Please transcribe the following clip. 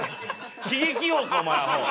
喜劇王かお前あほう。